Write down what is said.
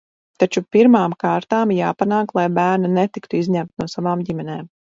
Taču pirmām kārtām jāpanāk, lai bērni netiktu izņemti no savām ģimenēm.